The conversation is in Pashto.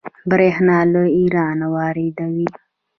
بریښنا له ایران واردوي